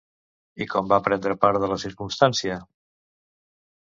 I com va prendre part de la circumstància?